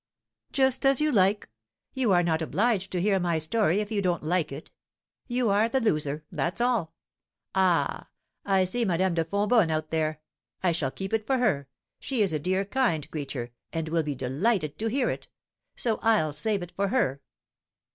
"Just as you like, you are not obliged to hear my story if you don't like it; you are the loser, that's all. Ah! I see Madame de Fonbonne out there; I shall keep it for her; she is a dear, kind creature, and will be delighted to hear it; so I'll save it for her."